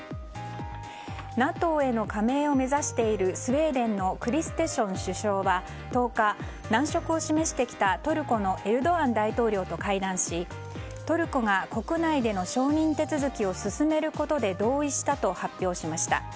ＮＡＴＯへの加盟を目指しているスウェーデンのクリステション首相は１０日、難色を示してきたトルコのエルドアン大統領と会談しトルコが国内での承認手続きを進めることで同意したと発表しました。